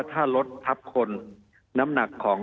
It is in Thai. มีความรู้สึกว่ามีความรู้สึกว่า